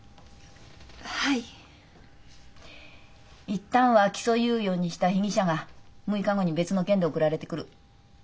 一旦は起訴猶予にした被疑者が６日後に別の件で送られてくる。